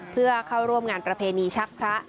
เพื่อเข้าร่วมงานประเพณีชักพระ